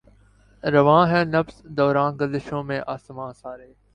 رواں ہے نبض دوراں گردشوں میں آسماں سارے